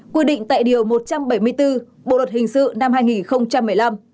quy định tại điều một trăm bảy mươi bốn bộ luật hình sự năm hai nghìn một mươi năm